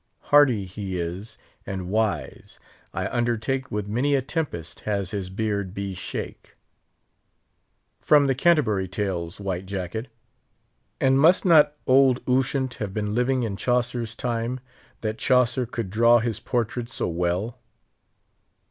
Hardy he is, and wise; I undertake With many a tempest has his beard be shake.' From the Canterbury Tales, White Jacket! and must not old Ushant have been living in Chaucer's time, that Chaucer could draw his portrait so well?"